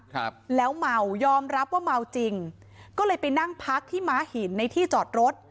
ครับแล้วเมายอมรับว่าเมาจริงก็เลยไปนั่งพักที่ม้าหินในที่จอดรถ